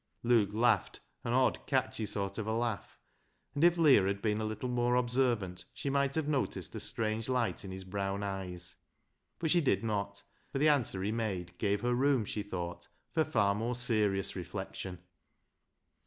Luke laughed an odd catchy sort of a laugh, and if Leah had been a little more observant she might have noticed a strange light in his brown eyes, but she did not, for the answer he made gave her room she thought for far more serious reflection.